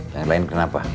yang lain kenapa